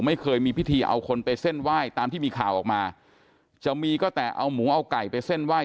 ไม่เคยมีพิธีเอาคนไปเส้นไหว้ตามที่มีข่าวออกมาจะมีก็แต่เอาหมูเอาไก่ไปเส้นไหว้